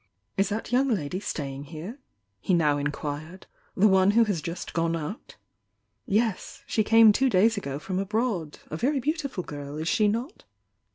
"Is that young lady sta.ying here?" he now in quired — "The one who has just gone out?" "Yes. She came two days ago from abroad. A very beautiful girl, is she not?"